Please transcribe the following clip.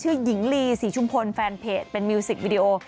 หญิงลีศรีชุมพลแฟนเพจเป็นมิวสิกวิดีโอ